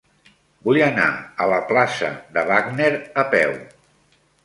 Vull anar a la plaça de Wagner a peu.